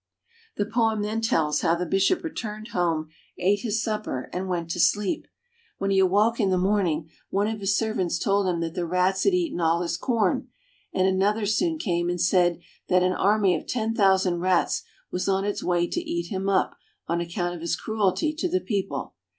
" The poem then tells how the bishop returned home, ate his supper, and went to sleep. When he awoke in the morning, one of his servants told him that the rats had eaten all his corn, and another soon came and said that an army of ten thousand rats was on its way to eat him up on account of his cruelty to the people.